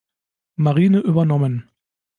Marine übernommen.